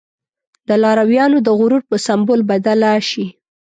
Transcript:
د لارويانو د غرور په سمبول بدله شي.